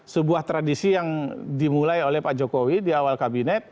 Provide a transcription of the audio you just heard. sebuah tradisi yang dimulai oleh pak jokowi di awal kabinet